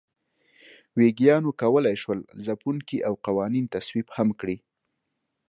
ویګیانو کولای شول ځپونکي او قوانین تصویب هم کړي.